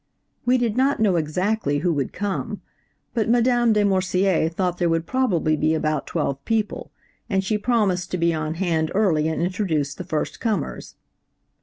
"We did not know exactly who would come, but Madame De Morsier thought there would probably be about twelve people, and she promised to be on hand early and introduce the first comers.